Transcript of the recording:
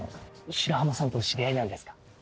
白浜さんとお知り合いなんですか？